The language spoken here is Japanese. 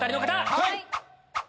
はい！